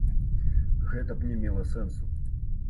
Гэта б не мела сэнсу.